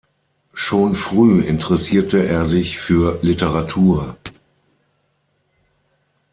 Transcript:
Schon früh interessierte er sich für Literatur.